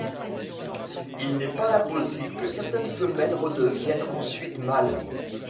Il n’est pas impossible que certaines femelles redeviennent ensuite mâles.